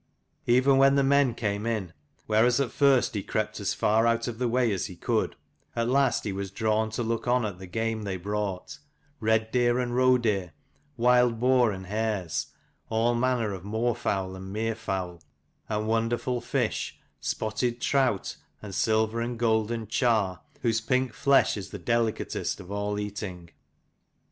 Even when the men came in, whereas at first he crept as far out of the way as he could, at last he was drawn to look on at the game they brought, red deer and roe deer, wild boar and hares, all manner of moor fowl and mere fowl, and wonderful fish, spotted trout, and silver and golden char, whose pink flesh is the delicatest of all eating.